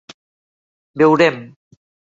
Veurem.